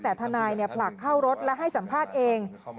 แต่ทนายผลักเข้ารถและให้สัมภาษณ์เอง